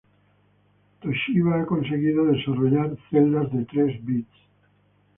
Toshiba ha conseguido desarrollar celdas de tres bits.